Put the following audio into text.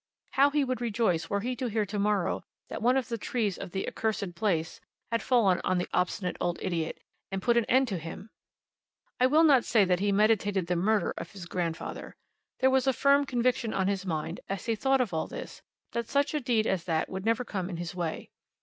How he would rejoice were he to hear to morrow that one of the trees of the "accursed place," had fallen on the "obstinate old idiot," and put an end to him! I will not say that he meditated the murder of his grandfather. There was a firm conviction on his mind, as he thought of all this, that such a deed as that would never come in his way.